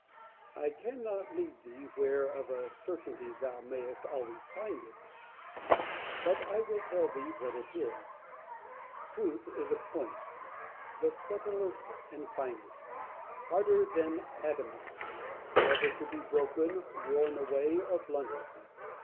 Diogenes. I cannot lead thee where of a certainty thou mayest always find it ; but I will tell thee what it is. Truth is a point ; the subtilest and finest ; harder than adamant ; never to be broken, worn away, or blunted.